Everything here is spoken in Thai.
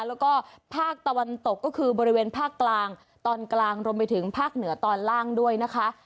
แล้วก็ภาคตะวันตกก็คือบริเวณภาคกลางตอนกลางรวมไปถึงภาคเหนือตอนล่างด้วยนะคะ